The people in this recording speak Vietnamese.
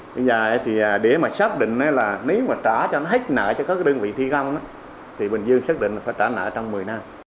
bây giờ để xác định nếu trả hết nợ cho các đơn vị thi găm thì bình dương xác định phải trả nợ trong một mươi năm